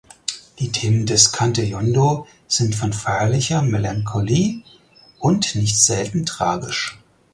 Die Themen des Cante jondo sind von feierlicher Melancholie und nicht selten tragisch.